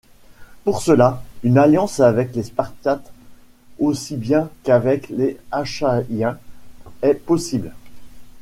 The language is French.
Pour cela, une alliance avec les Spartiates aussi bien qu’avec les Achaïens est possible.